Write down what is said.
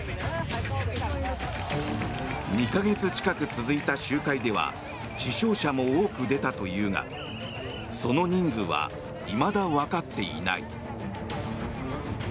２か月近く続いた集会では死傷者も多く出たというがその人数はいまだわかっていない。